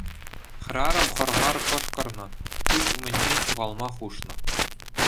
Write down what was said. Хӗрарӑм хӑр-хар кӑшкӑрнӑ, куҫ умӗнчен ҫухалма хушнӑ.